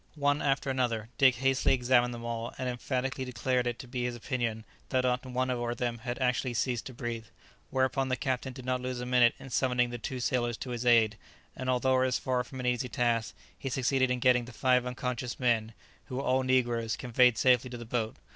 One after another, Dick hastily examined them all, and emphatically declared it to be his opinion, that not one or them had actually ceased to breathe; whereupon the captain did not lose a minute in summoning the two sailors to his aid, and although it was far from an easy task, he succeeded in getting the five unconscious men, who were all negroes, conveyed safely to the boat.